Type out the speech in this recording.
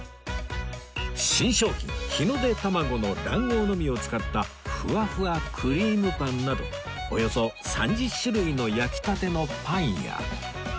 新商品日の出たまごの卵黄のみを使ったふわふわクリームパンなどおよそ３０種類の焼きたてのパンや